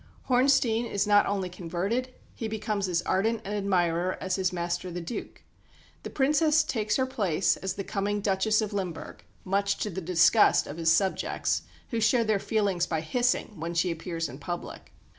Hornstein is not only converted; he becomes as ardent an admirer as his master, the Duke. The Princess takes her place as the coming Duchess of Limburg, much to the disgust of his subjects, who show their feelings by hissing when she appears in public.